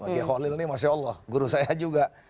kiai khalil ini masya allah guru saya juga